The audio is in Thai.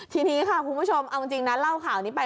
ทีนี้ค่ะคุณผู้ชมเอาจริงนะเล่าข่าวนี้ไป